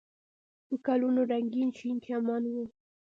په ګلونو رنګین شین چمن و.